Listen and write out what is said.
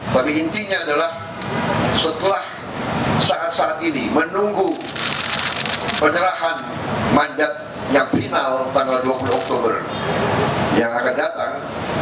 tapi intinya adalah setelah saat saat ini menunggu penyerahan mandat yang final tanggal dua puluh oktober yang akan datang